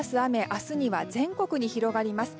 明日には全国に広がります。